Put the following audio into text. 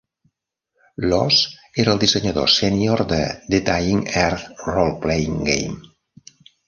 Laws era el dissenyador sènior de "The Dying Earth Roleplaying Game".